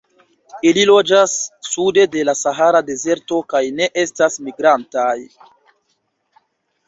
Ili loĝas sude de la Sahara Dezerto kaj ne estas migrantaj.